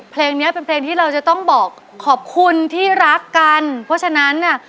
เพลงเนี้ยเป็นเพลงที่เราจะต้องบอกขอบคุณที่รักกันเพราะฉะนั้นเนี่ย